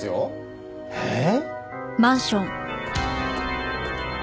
えっ？